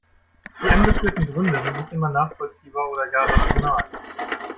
Die angeführten Gründe sind nicht immer nachvollziehbar oder gar rational.